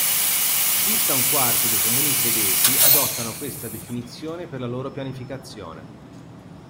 Circa un quarto dei comuni svedesi adottano questa definizione per la loro pianificazione.